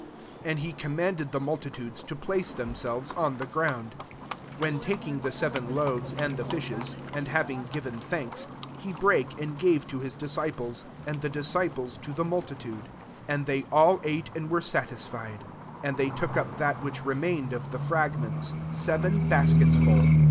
'* 35 And he commanded the multitudes to place themselves on the ground. 36 When tak ing the seven loaves and the fishes, and having given thanks, he brake, and gave to his disci ples; and the disciples to the multitude. 37 And they aU ate, and were satisfied : and they took up that which re mained of the fragments, seven baskets full.